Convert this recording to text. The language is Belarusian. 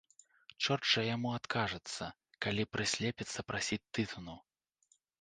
Чорт жа яму адкажацца, калі прыслепіцца прасіць тытуну.